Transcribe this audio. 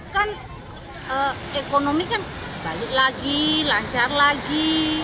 kan ekonomi kan balik lagi lancar lagi